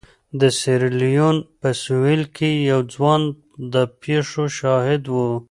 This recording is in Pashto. د سیریلیون په سوېل کې یو ځوان د پېښو شاهد و.